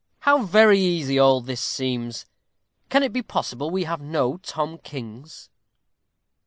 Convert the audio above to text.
How very easy all this seems. Can it be possible we have no Tom Kings?